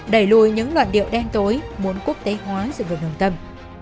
đẩy lùi những loạn điệu đen tối muốn quốc tế hóa dựng được đồng tâm